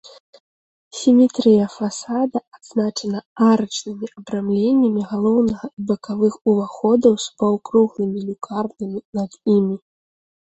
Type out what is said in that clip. Сіметрыя фасада адзначана арачнымі абрамленнямі галоўнага і бакавых уваходаў з паўкруглымі люкарнамі над імі.